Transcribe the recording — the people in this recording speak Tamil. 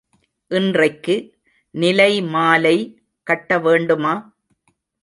இன்றைக்கு நிலைமாலை கட்ட வேண்டுமா?